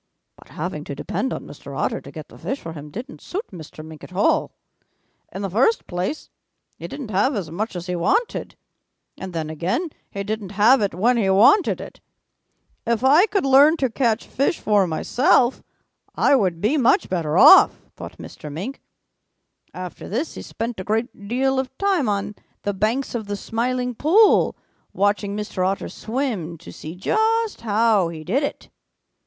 "But having to depend on Mr. Otter to get the fish for him didn't suit Mr. Mink at all. In the first place, he didn't have as much as he wanted. And then again he didn't have it when he wanted it. 'If I could learn to catch fish for myself, I would be much better off,' thought Mr. Mink. After this he spent a great deal of time on the banks of the Smiling Pool watching Mr. Otter swim to see just how he did it.